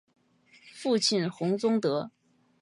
父亲洪宗德。